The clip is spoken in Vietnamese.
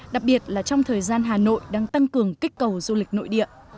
đặc biệt là trong thời gian hà nội đang tăng cường kích cầu du lịch nội địa